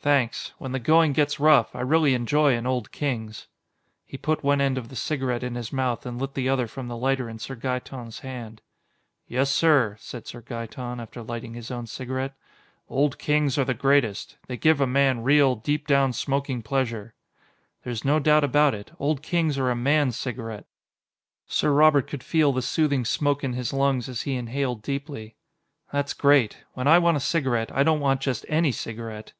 "Thanks. When the going gets rough, I really enjoy an Old Kings." He put one end of the cigarette in his mouth and lit the other from the lighter in Sir Gaeton's hand. "Yes, sir," said Sir Gaeton, after lighting his own cigarette, "Old Kings are the greatest. They give a man real, deep down smoking pleasure." "There's no doubt about it, Old Kings are a man's cigarette." Sir Robert could feel the soothing smoke in his lungs as he inhaled deeply. "That's great. When I want a cigarette, I don't want just any cigarette."